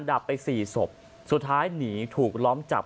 ดับไปสี่ศพสุดท้ายหนีถูกล้อมจับ